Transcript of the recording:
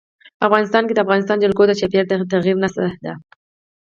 افغانستان کې د افغانستان جلکو د چاپېریال د تغیر نښه ده.